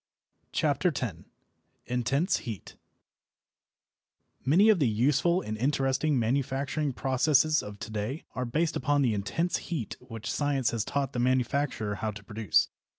CHAPTER X INTENSE HEAT Many of the useful and interesting manufacturing processes of to day are based upon the intense heat which science has taught the manufacturer how to produce.